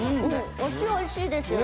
お塩おいしいですよね。